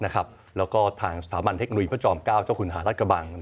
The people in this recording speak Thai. แล้วก็ทางสถาบันเทคโนโลยีพระจอม๙เจ้าคุณหารัฐกระบัง